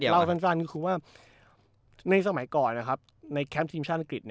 เล่าสั้นก็คือว่าในสมัยก่อนในแคมป์ทีมชาติอังกฤษ